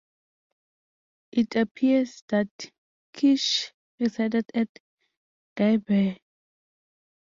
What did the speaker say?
It appears that Kish resided at Gibeah.